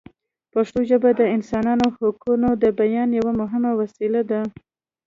پښتو ژبه د انساني حقونو د بیان یوه مهمه وسیله ده.